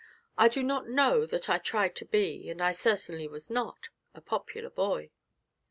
I do not know that I tried to be and I certainly was not a popular boy.